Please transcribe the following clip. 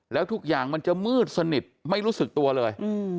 แล้วทุกอย่างมันจะมืดสนิทไม่รู้สึกตัวเลย